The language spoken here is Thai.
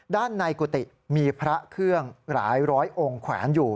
ด้านในกุฏิมีพระเครื่องหลายร้อยองค์แขวนอยู่